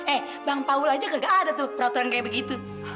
eh bang paul aja gak ada tuh peraturan kayak begitu